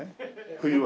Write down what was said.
冬は。